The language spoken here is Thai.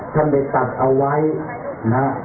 สวัสดีครับสวัสดีครับ